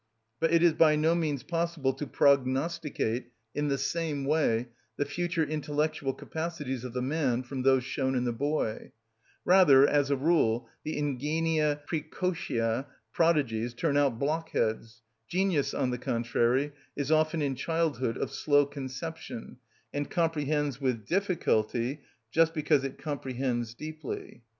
But it is by no means possible to prognosticate in the same way the future intellectual capacities of the man from those shown in the boy; rather as a rule the ingenia præcocia, prodigies, turn out block heads; genius, on the contrary, is often in childhood of slow conception, and comprehends with difficulty, just because it comprehends deeply.